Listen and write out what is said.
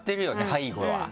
背後は。